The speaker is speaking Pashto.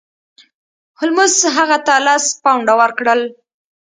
هولمز هغه ته لس پونډه ورکړل.